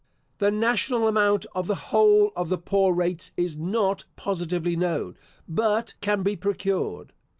The national amount of the whole of the poor rates is not positively known, but can be procured.